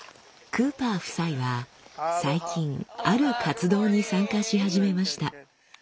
クーパー夫妻は最近ある活動に参加し始めました。